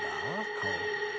顔。